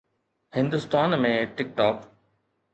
Hindustan ۾ ٽڪ talk